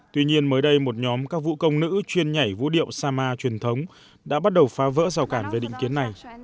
tuy nhiên mới đây một nhóm các vũ công nữ chuyên nhảy vũ điệu sama truyền thống đã bắt đầu phá vỡ rào cản về định kiến này